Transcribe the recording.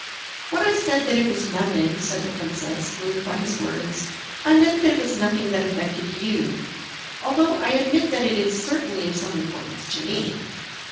"When I said that it was nothing," said the princess, moved by his words, "I meant that it was nothing that affected you, although I admit that it is certainly of some importance to me.